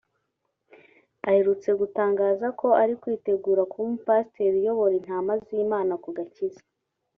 aherutse gutangaza ko ari kwitegura kuba umupasiteri uyobora intama z’Imana ku gakiza